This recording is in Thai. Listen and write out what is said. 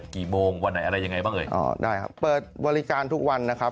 ข้างบัวแห่งสันยินดีต้อนรับทุกท่านนะครับ